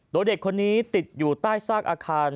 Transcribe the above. โดยเด็กคนนี้ติดอยู่ใต้ซากอาคาร